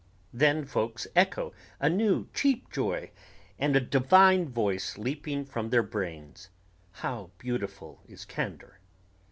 Then folks echo a new cheap joy and a divine voice leaping from their brains: How beautiful is candor!